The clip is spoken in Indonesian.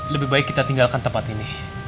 lebih baik kita tinggalkan tempat ini